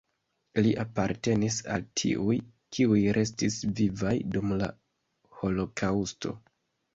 Li apartenis al tiuj, kiuj restis vivaj dum la holokaŭsto.